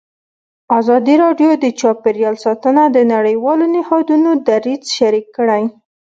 ازادي راډیو د چاپیریال ساتنه د نړیوالو نهادونو دریځ شریک کړی.